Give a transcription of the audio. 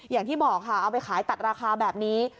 อย่างที่บอกค่ะเอาไปขายตัดราคาแบบนี้